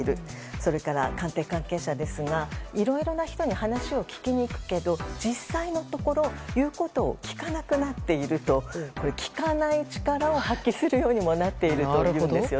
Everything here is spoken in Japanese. それから、官邸関係者ですがいろいろな人に話を聞きに行くが実際のところ言うことを聞かなくなっていると聞かない力を発揮するようになっているというんです。